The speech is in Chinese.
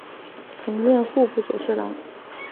曾任户部左侍郎。